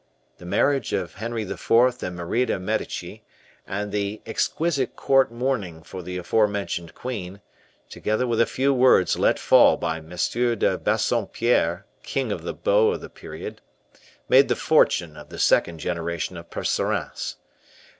The marriage of Henry IV. and Marie de Medici, and the exquisite court mourning for the afore mentioned queen, together with a few words let fall by M. de Bassompiere, king of the beaux of the period, made the fortune of the second generation of Percerins.